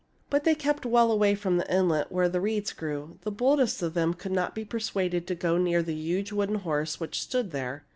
But they kept well away from the inlet where the reeds grew. The boldest of them could not be persuaded to go near the huge wooden horse which stood there.